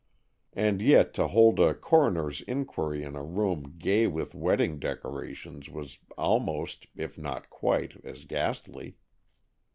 And yet to hold a coroner's inquiry in a room gay with wedding decorations was almost, if not quite, as ghastly.